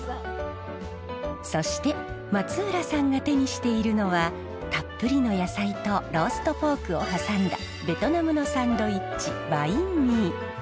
そして松浦さんが手にしているのはたっぷりの野菜とローストポークを挟んだベトナムのサンドイッチバインミー。